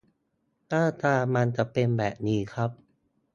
หน้าตามันจะเป็นแบบนี้ครับ